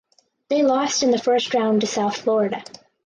They lost in the first round to South Florida.